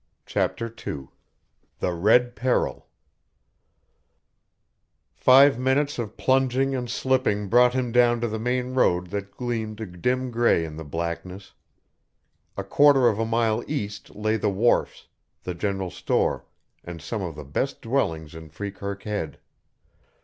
CHAPTER II THE RED PERIL Five minutes of plunging and slipping brought him down to the main road that gleamed a dim gray in the blackness. A quarter of a mile east lay the wharfs, the general store, and some of the best dwellings in Freekirk Head.